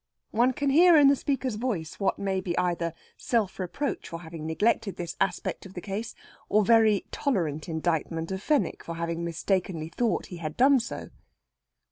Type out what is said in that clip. One can hear in the speaker's voice what may be either self reproach for having neglected this aspect of the case, or very tolerant indictment of Fenwick for having mistakenly thought he had done so.